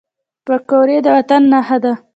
پکورې د وطن نښه ده